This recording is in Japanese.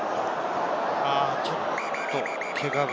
ちょっとけがが。